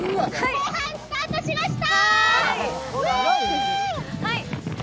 後半スタートしました。